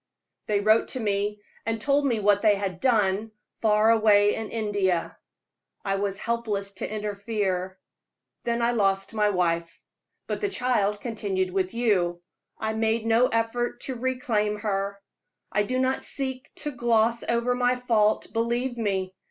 They wrote to me and told me what they had done, far away in India. I was helpless to interfere. Then I lost my wife; but the child continued with you. I made no effort to reclaim her. I do not seek to gloss over my fault, believe me.